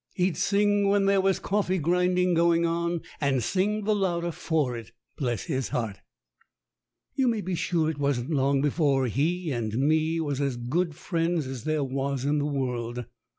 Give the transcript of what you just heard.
He'd sing when there was coffee grinding going on, and sing the louder for it. Bless his heart! You may be sure it wasn't long before he and me was as good friends as there was in the world.